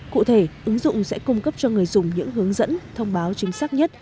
cụ thể ứng dụng sẽ cung cấp cho người dùng những hướng dẫn thông báo chính xác nhất